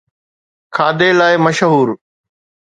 کاڌي لاءِ مشهور